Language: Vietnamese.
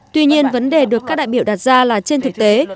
tuy nhiên vấn đề được các đại biểu đặt ra là trên thực tế